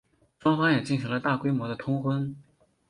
双方也进行了大规模的通婚。